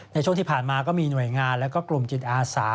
ในช่วงที่ผ่านมาก็มีหน่วยงานและกลุ่มจิตอาสา